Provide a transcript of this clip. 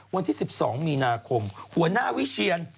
วันที่๑๒มีนาคมหัวหน้าวิเชียน